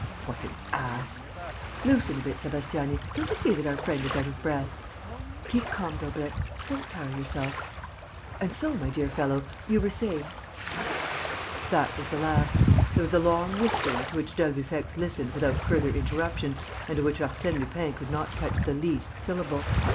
What an ass!... Loosen a bit, Sébastiani: don't you see that our friend is out of breath?... Keep calm, Daubrecq ... don't tire yourself.... And so, my dear fellow, you were saying...." That was the last. There was a long whispering to which d'Albufex listened without further interruption and of which Arsène Lupin could not catch the least syllable.